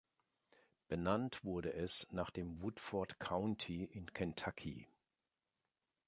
Benannt wurde es nach dem Woodford County in Kentucky.